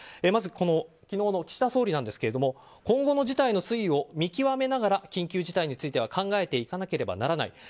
まず、昨日の岸田総理なんですが今後の事態の推移を見極めながら緊急事態については考えていかなくてはならない。